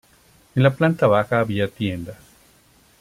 En la planta baja había tiendas.